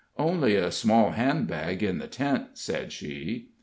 "Only a small hand bag in the tent," said she.